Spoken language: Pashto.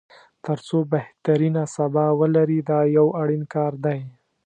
تر څو بهترینه سبا ولري دا یو اړین کار دی.